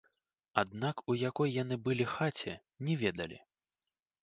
Аднак у якой яны былі хаце, не ведалі.